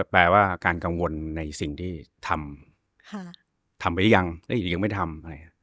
แปลว่าการกังวลในสิ่งที่ทำทำไปหรือยังหรือยังไม่ทำอะไร